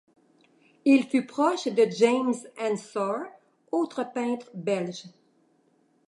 Il fut proche de James Ensor, autre peintre belge.